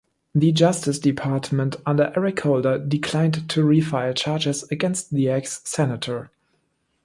The Justice Department under Eric Holder declined to refile charges against the ex-Senator.